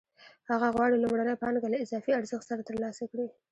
هغه غواړي لومړنۍ پانګه له اضافي ارزښت سره ترلاسه کړي